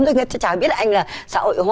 chẳng biết là anh là xã hội hóa